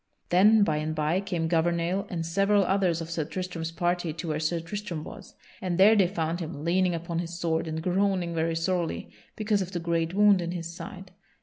Then by and by came Gouvernail and several others of Sir Tristram's party to where Sir Tristram was; and there they found him leaning upon his sword and groaning very sorely because of the great wound in his side.